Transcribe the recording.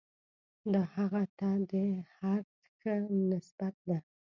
دا هغه ته د هر ښه نسبت ده.